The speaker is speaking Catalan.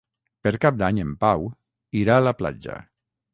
Per Cap d'Any en Pau irà a la platja.